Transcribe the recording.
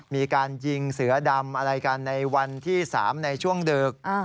มีการยิงเสือดำอะไรกันในวันที่๓ในช่วงดึก